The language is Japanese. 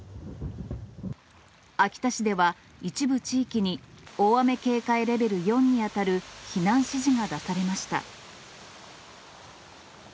秋田市では、一部地域に大雨警戒レベル４に当たる避難指示が出されました。